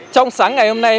trong sáng ngày hôm nay